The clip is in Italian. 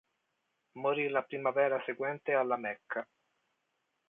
Morì la primavera seguente a La Mecca.